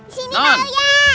sini pak ya